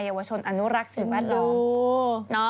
วชนอนุรักษ์สิ่งแวดล้อม